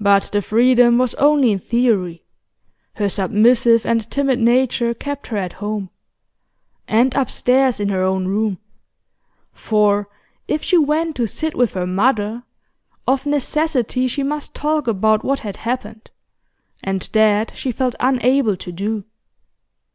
But the freedom was only in theory; her submissive and timid nature kept her at home and upstairs in her own room; for, if she went to sit with her mother, of necessity she must talk about what had happened, and that she felt unable to do.